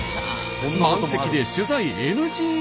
満席で取材ＮＧ。